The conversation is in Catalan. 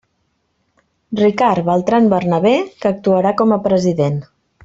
Ricard Beltran Bernabé, que actuarà com a president.